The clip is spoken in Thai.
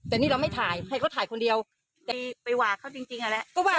แต่นี่เราไม่ถ่ายให้เขาถ่ายคนเดียวไปหว่าเขาจริงนั่นแหละ